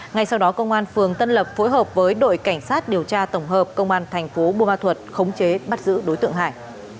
ngay sau đó công an phường tân lập phối hợp với đội cảnh sát điều tra tổng hợp công an thành phố bùa thuật khống chế bắt giữ đối tượng hải